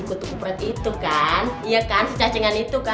gue kenapa lo gak terima